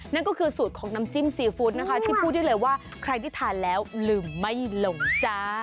นั่นก็คือสูตรของน้ำจิ้มซีฟู้ดนะคะที่พูดได้เลยว่าใครที่ทานแล้วลืมไม่ลงจ้า